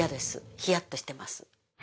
ヒヤッとしてます。